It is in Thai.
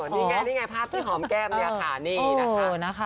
นี่ไงนี่ไงภาพที่หอมแก้มเนี่ยค่ะนี่นะคะ